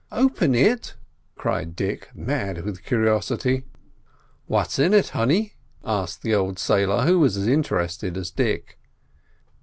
"Open it!" cried Dick, mad with curiosity. "What's in it, honey?" asked the old sailor, who was as interested as Dick.